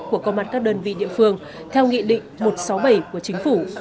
của công an các đơn vị địa phương theo nghị định một trăm sáu mươi bảy của chính phủ